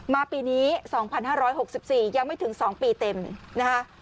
ปีนี้๒๕๖๔ยังไม่ถึง๒ปีเต็มนะคะ